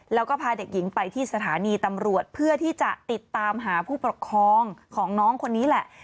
แล้วก็พาเด็กหญิงไปที่สถานีตำรวจเพื่อที่จะติดตามหาผู้ปกครองของน้องคนนี้แหละ